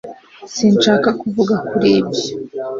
sinshaka kuvuga kuri ibyo